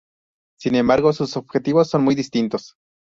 Sin embargo, sus objetivos son muy distintos.